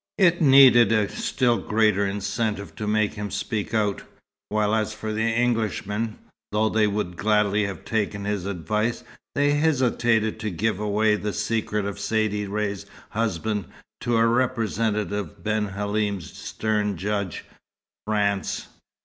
It needed a still greater incentive to make him speak out; while as for the Englishmen, though they would gladly have taken his advice, they hesitated to give away the secret of Saidee Ray's husband to a representative of Ben Halim's stern judge, France.